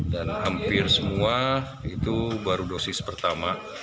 dan hampir semua itu baru dosis pertama